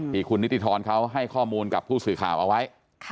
ที่คุณนิติธรเขาให้ข้อมูลกับผู้สื่อข่าวเอาไว้